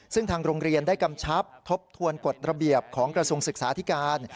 ซึ่งทางโรงเรียนได้กำชับทบทวนกฎระเบียบของกระทรวงศึกษาธิการ